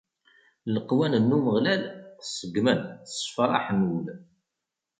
Leqwanen n Umeɣlal seggmen, ssefraḥen ul.